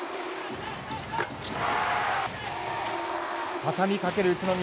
たたみかける宇都宮。